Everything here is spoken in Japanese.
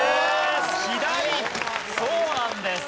そうなんです。